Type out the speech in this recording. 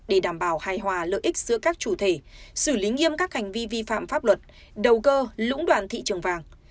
để đảm bảo hài hòa lợi ích giữa các chủ thể xử lý nghiêm các hành vi vi phạm pháp luật đầu cơ lũng đoàn thị trường vàng